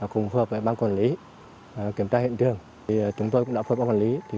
quản lý kiểm tra hiện trường chúng tôi cũng đã phối bỏ quản lý